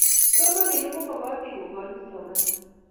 kipsomaninik komokotin kokonyot somanet